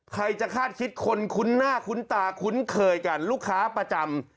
ใครจะคาดคิดคนคุ้นหน้าคุ้นตาคุ้นเคยกันลูกค้าประจำ